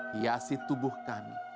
hiasi tubuh kami